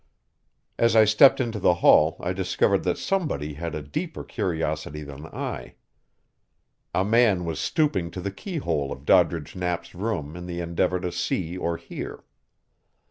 As I stepped into the hall I discovered that somebody had a deeper curiosity than I. A man was stooping to the keyhole of Doddridge Knapp's room in the endeavor to see or hear.